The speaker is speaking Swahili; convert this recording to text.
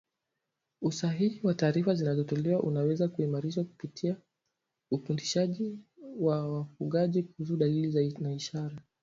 Usahihi wa taarifa zinazotolewa unaweza kuimarishwa kupitia ufundishaji wa wafugaji kuhusu dalili na ishara